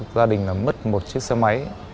gia đình mất một chiếc xe máy